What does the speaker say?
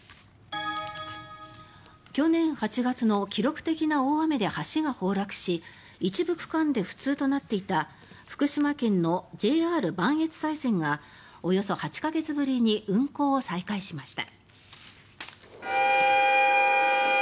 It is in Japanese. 去年８月の記録的な大雨で橋が崩落し一部区間で不通となっていた福島県のＪＲ磐越西線がおよそ８か月ぶりに運行を再開しました。